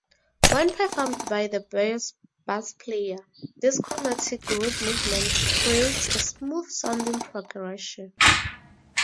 When performed by the bass player, this chromatic root movement creates a smooth-sounding progression.